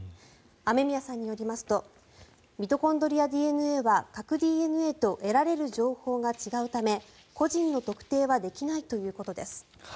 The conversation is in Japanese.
雨宮さんによりますとミトコンドリアＤＮＡは核ＤＮＡと得られる情報が違うため個人の特定はできないということです。